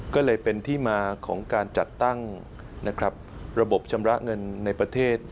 ก็เลยเป็นที่มาของการจัดตั้งระบบชำระเงินในประเทศ